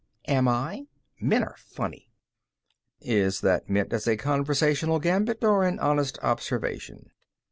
"Am I? Men are funny." "Is that meant as a conversational gambit, or an honest observation?"